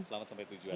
selamat sampai tujuan